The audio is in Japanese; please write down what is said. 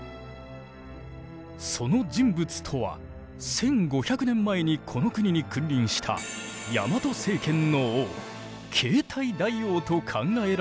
その人物とは１，５００年前にこの国に君臨したヤマト政権の王継体大王と考えられている。